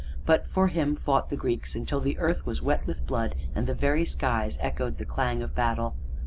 But for him fought the Greeks, until the earth was wet with blood and the very skies echoed the clang of battle.